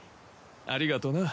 ありがとな。